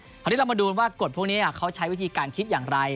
คราวนี้เรามาดูว่ากฎพวกนี้เขาใช้วิธีการคิดอย่างไร